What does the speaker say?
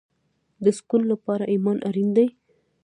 د سکون لپاره ایمان اړین دی